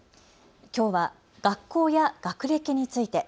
きょうは学校や学歴について。